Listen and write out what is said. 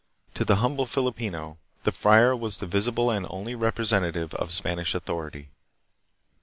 To the humble Filipino, the friar was the visible and only representative of Spanish authority.